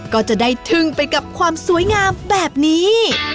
ก็จะได้ทึ่งไปกับความสวยงามแบบนี้